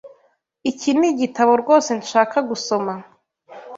Iki nigitabo rwose nshaka gusoma.